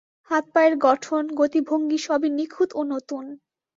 হাত-পায়ের গঠন, গতিভঙ্গি সবই নিখুঁত ও নতুন।